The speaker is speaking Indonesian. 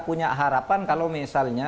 punya harapan kalau misalnya